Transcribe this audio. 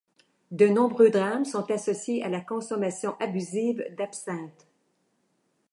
De nombreux drames sont associés à la consommation abusive d'absinthe.